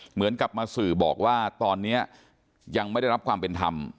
เหมือนกับมาสื่อบอกว่าตอนนี้ยังไม่ได้รับความเป็นธรรม